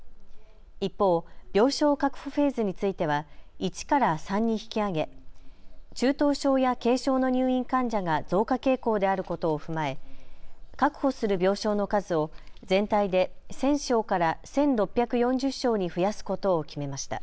一方、病床確保フェーズについては１から３に引き上げ中等症や軽症の入院患者が増加傾向であることを踏まえ確保する病床の数を全体で１０００床から１６４０床に増やすことを決めました。